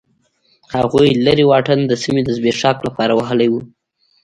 هغوی لرې واټن د سیمې د زبېښاک لپاره وهلی و.